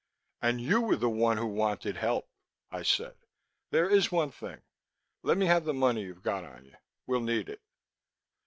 "And you were the one who wanted help," I said. "There is one thing; let me have the money you've got on you; we'll need it."